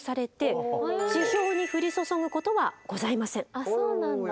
あっそうなんだ。